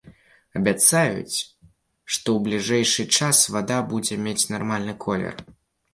І абяцаюць, што ў бліжэйшы час вада будзе мець нармальны колер.